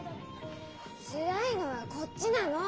つらいのはこっちなの。